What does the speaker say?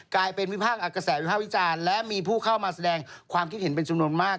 กลายเป็นวิพากษ์อักกระแสวิภาควิจารณ์และมีผู้เข้ามาแสดงความคิดเห็นเป็นจำนวนมาก